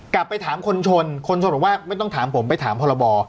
กลับไปถามคนชนคนชนบอกว่าไม่ต้องถามผมไปถามพรบ